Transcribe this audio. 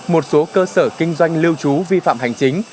một số cơ sở kinh doanh lưu trú vi phạm hành chính